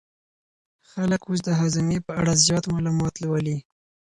خلک اوس د هاضمې په اړه زیات معلومات لولي.